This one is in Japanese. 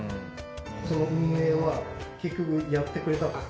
その運営は結局やってくれた？